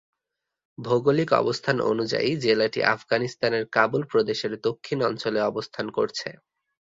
ভৌগোলিক অবস্থান অনুযায়ী জেলাটি আফগানিস্তানের কাবুল প্রদেশের দক্ষিণ অঞ্চলে অবস্থান করছে।